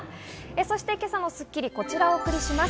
そして今朝の『スッキリ』はこちらをお送りします。